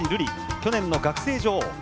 去年の学生女王。